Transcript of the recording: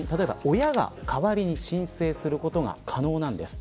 親が代わりに申請することが可能なんです。